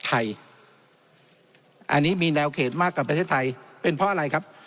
อันนี้มีแนวเขตมากกว่าประเทศไทยเป็นเพราะอะไรครับ